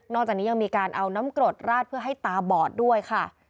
จากนี้ยังมีการเอาน้ำกรดราดเพื่อให้ตาบอดด้วยค่ะ